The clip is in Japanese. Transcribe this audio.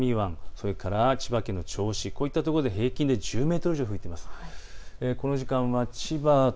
それから千葉県の銚子こういったところで平均で１０メートル以上出ています。